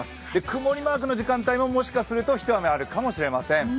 曇りマークの時間帯ももしかするとひと雨あるかもしれません。